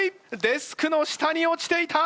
デスクの下に落ちていた！